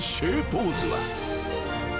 ポーズは］